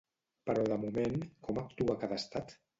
Però de moment, com actua cada estat?